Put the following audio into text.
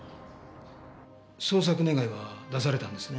捜索願は出されたんですね？